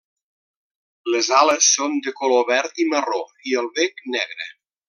Les ales són de color verd i marró, i el bec negre.